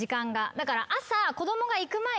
だから。